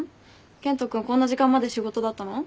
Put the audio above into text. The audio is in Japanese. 健人君こんな時間まで仕事だったの？